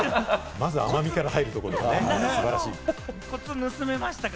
まず甘みから入るところが素晴らしい。